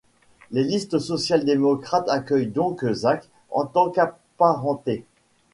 Les listes sociales-démocrates accueillent donc Zach en tant qu'apparenté.